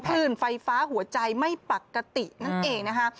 คลื่นไฟฟ้าหัวใจไม่ปกตินั่นเองนะคะ